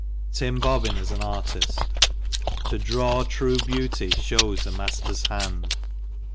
TIM BOBBIN AS AN ARTIST. To draw true beauty shows a master's hand.